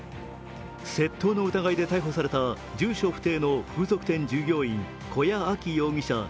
窃盗の疑いで逮捕された住所不定の風俗店従業員古屋亜希容疑者